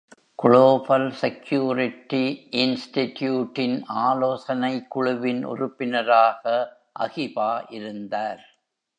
Global security இன்ஸ்டிட்யூட்யின் ஆலோசனை குழுவின் உறுப்பினராக அகிபா இருந்தார்.